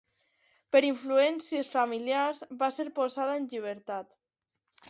Per influències familiars va ser posada en llibertat.